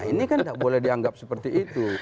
ini kan tidak boleh dianggap seperti itu